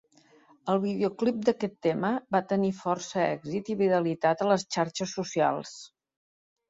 El videoclip d'aquest tema va tenir força èxit i viralitat a les xarxes socials.